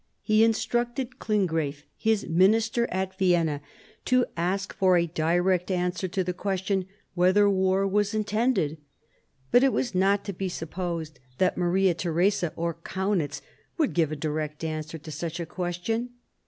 He instructed Klinggraf, his minister at Vienna, to ask for a direct answer to the question whether war was intended. But it was not to be supposed that Maria 1756 7 CHANGE OF ALLIANCES 119 Theresa or Kaunitz would give a direct answer to such a question.